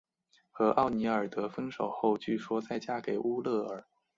和尼奥尔德分手后据说再嫁给乌勒尔。